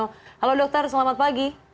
halo dokter selamat pagi